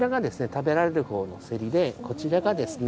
食べられる方のセリでこちらがですね